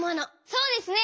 そうですね！